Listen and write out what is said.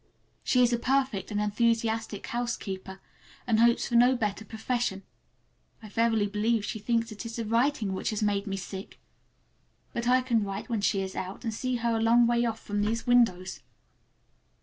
She is a perfect, and enthusiastic housekeeper, and hopes for no better profession. I verily believe she thinks it is the writing which made me sick! But I can write when she is out, and see her a long way off from these windows.